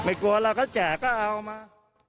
กลัวเราก็แจกก็เอามา